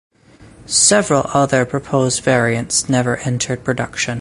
Several other proposed variants never entered production.